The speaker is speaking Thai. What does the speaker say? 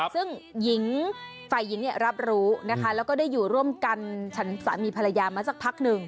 ซึ่งฝ่ายหญิงเนี่ยรับรู้นะคะแล้วก็ได้อยู่ร่วมกันสามีภรรยามาสักพักนึง